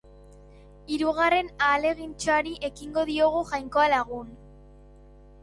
Hirugarren ahalegintxoari ekingo diogu, Jainkoa lagun.